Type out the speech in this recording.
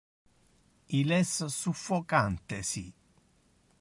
Il es suffocante ci.